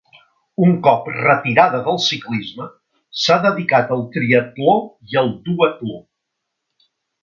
Un cop retirada del ciclisme, s'ha dedicat al triatló i al duatló.